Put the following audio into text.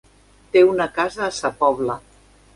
Té una casa a Sa Pobla.